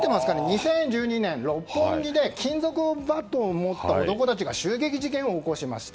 ２０１２年六本木で金属バットを持った男たちが襲撃事件を起こしました。